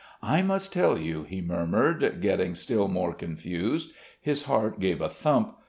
"I must tell you," he murmured, getting still more confused. His heart gave a thump.